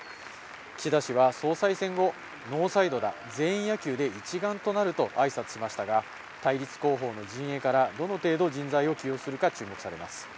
岸田氏は、総裁選後、ノーサイドだ、全員野球で一丸となるとあいさつしましたが、対立候補の陣営からどの程度人材を起用するか注目されます。